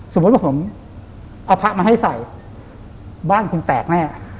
สมมุติว่าผมเอาพระมาให้ใส่บ้านคุณแตกแน่